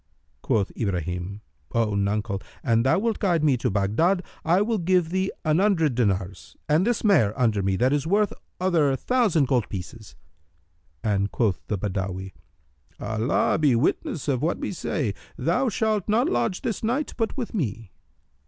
Quoth Ibrahim, "O nuncle, an thou wilt guide me to Baghdad, I will give thee an hundred dinars and this mare under me that is worth other thousand gold pieces;" and quoth the Badawi, "Allah be witness of what we say! Thou shalt not lodge this night but with me."